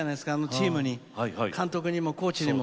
チームに、監督にもコーチにも。